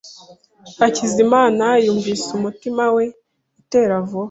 Hakizimana yumvise umutima we utera vuba.